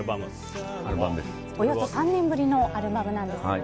およそ３年ぶりのアルバムなんですよね。